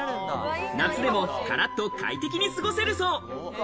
夏でもからっと快適に過ごせるそう。